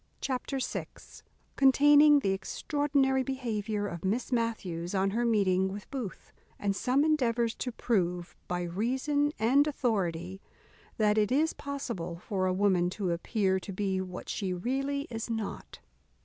Chapter vi _Containing the extraordinary behaviour of Miss Matthews on her meeting with Booth, and some endeavours to prove, by reason and authority, that it is possible for a woman to appear to be what she really is not.